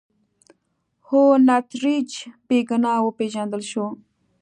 هونټریج بې ګناه وپېژندل شو.